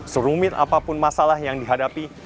serumit apapun masalah yang dihadapi